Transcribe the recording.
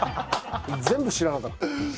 全部知らなかった。